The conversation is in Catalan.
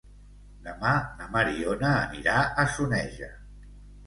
Demà na Mariona anirà a Soneja.